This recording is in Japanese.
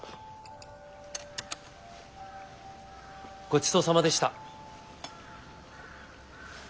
ごちそうさまでした。